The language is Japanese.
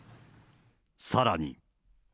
さらに。